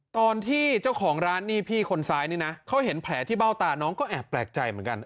ตอนที่เจ้าของร้านนี่พี่คนซ้ายนี่นะเขาเห็นแผลที่เบ้าตาน้องก็แอบแปลกใจเหมือนกัน